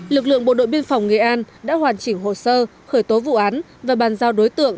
lực lượng bộ đội biên phòng nghệ an đã hoàn chỉnh hồ sơ khởi tố vụ án và bàn giao đối tượng